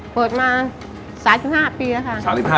เปิดมา๓๕ปีแล้วค่ะ